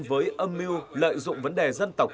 với âm mưu lợi dụng vấn đề dân tộc